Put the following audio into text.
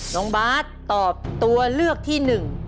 น้องบาทตอบตัวเลือกที่๑